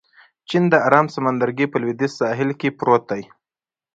چین د ارام سمندرګي په لوېدیځ ساحل کې پروت دی.